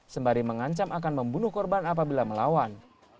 sembari mengancam akan membunuh korban apabila melawan